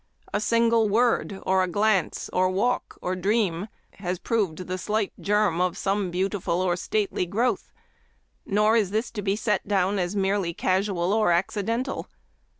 A single word, or glance, or walk, or dream has proved the slight germ of some beautiful or stately growth ; nor is this to be set down as merely casual or accidental.